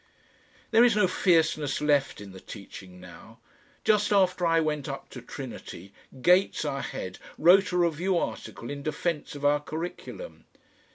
There is no fierceness left in the teaching now. Just after I went up to Trinity, Gates, our Head, wrote a review article in defence of our curriculum.